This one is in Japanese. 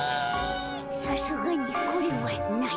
さすがにこれはない。